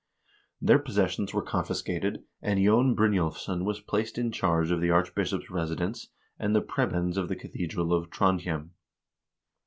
Their possessions were confiscated, and Jon Brynjulfsson was placed in charge of the arch bishop's residence and the prebends of the cathedral of Trondhjem.